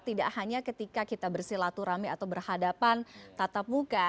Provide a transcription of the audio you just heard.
tidak hanya ketika kita bersilaturahmi atau berhadapan tatap muka